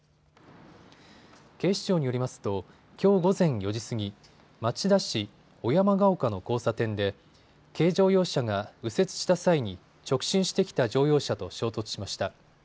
警視庁によりますときょう午前４時過ぎ町田市小山ヶ丘の交差点で軽乗用車が右折した際に直進してきた乗用車と衝突しました。